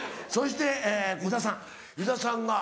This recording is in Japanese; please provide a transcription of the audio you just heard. そして湯田さん。